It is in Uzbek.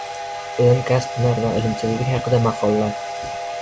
Ilm, kasb-hunar va ilmsizlik haqida maqollar.